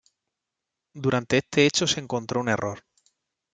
Durante este hecho se encontró un error.